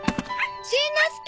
しんのすけ！